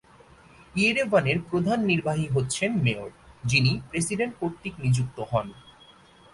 ইয়েরেভানের প্রধান নির্বাহী হচ্ছেন মেয়র, যিনি প্রেসিডেন্ট কর্তৃক নিযুক্ত হন।